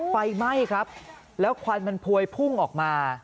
ไฟไหม้ครับแล้วควันมันพวยพุ่งออกมา